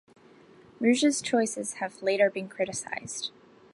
Ruge's choices have later been criticised.